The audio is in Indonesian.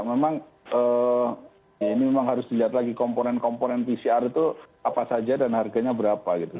memang ya ini memang harus dilihat lagi komponen komponen pcr itu apa saja dan harganya berapa gitu